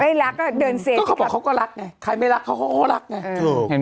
ไม่รักก็เดินเสร็จก็เขาบอกเขาก็รักไงใครไม่รักเขาก็รักไง